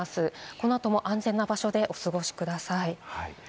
この後も安全な場所でお過ごしください。